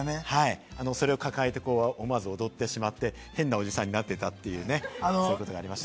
それを抱えて思わず踊ってしまって、変なおじさんになってたというね、そういうことがありました。